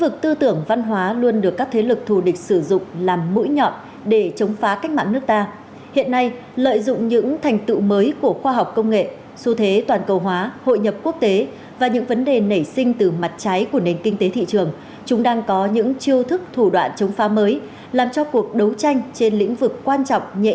các bạn hãy đăng ký kênh để ủng hộ kênh của chúng mình nhé